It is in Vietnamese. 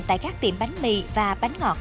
tại các tiệm bánh mì và bánh ngọt